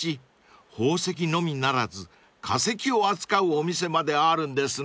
［宝石のみならず化石を扱うお店まであるんですね］